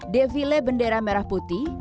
devile bendera merah putih